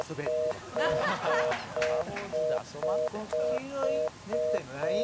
この黄色いネクタイのライン